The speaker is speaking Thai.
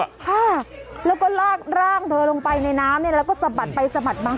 ค่ะแล้วก็ลากร่างเธอลงไปในน้ำเนี่ยแล้วก็สะบัดไปสะบัดมา